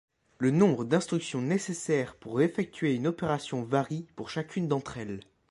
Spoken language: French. Le nombre d'instructions nécessaires pour effectuer une opération varie pour chacune d'entre elles.